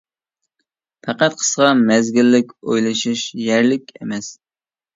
پەقەت قىسقا مەزگىللىك ئويلىشىش يەرلىك ئەمەس.